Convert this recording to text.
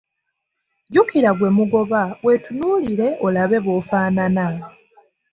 Jjukira ggwe mugoba, weetunuulire olabe bw'ofaanana.